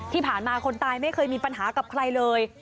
ที่ผ่านมาคนตายไม่เคยมีปัญหากับใครเลย